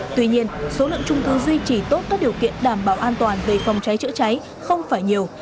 tuy nhiên số lượng trung cư duy trì tốt các điều kiện đảm bảo an toàn về phòng cháy chữa cháy không phải nhiều